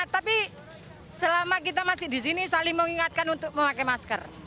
tapi selama kita masih di sini saling mengingatkan untuk memakai masker